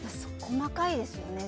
細かいですよね。